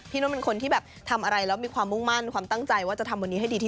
พี่นุ่มเป็นคนที่แบบทำอะไรแล้วมีความมุ่นมั่นนเติมตั้งใจว่าจะทำวันนี้ได้ลวงอะ